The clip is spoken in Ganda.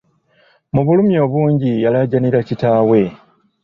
Mu bulumi obungi yalaajanira kitaawe.